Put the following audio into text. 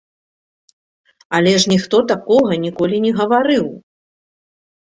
Але ж ніхто такога ніколі не гаварыў!